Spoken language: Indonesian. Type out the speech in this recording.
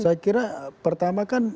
saya kira pertama kan